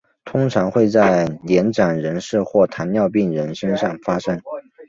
通常会在年长人士或糖尿病人身上发生。